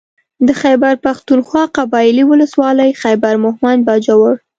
د خېبر پښتونخوا قبايلي ولسوالۍ خېبر مهمند باجوړ